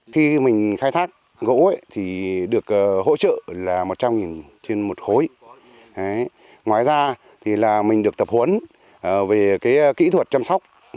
khi mình khai thác gỗ thì được hỗ trợ là một trăm linh trên một khối ngoài ra thì là mình được tập huấn về kỹ thuật chăm sóc